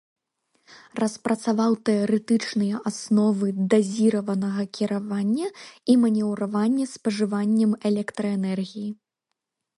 Распрацаваў тэарэтычныя асновы дазіраванага кіравання і манеўравання спажываннем электраэнергіі.